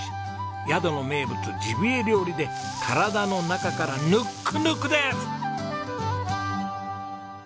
宿の名物ジビエ料理で体の中からぬっくぬくです！